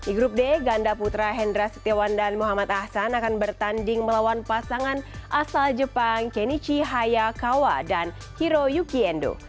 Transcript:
dan di grup d ganda putra hendra setiawan dan muhammad ahsan akan bertanding melawan pasangan asal jepang kenichi hayakawa dan kenichi ahsan